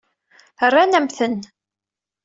Rran-am-ten.